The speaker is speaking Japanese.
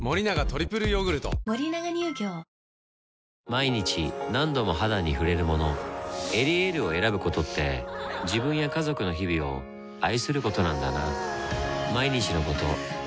毎日何度も肌に触れるもの「エリエール」を選ぶことって自分や家族の日々を愛することなんだなぁ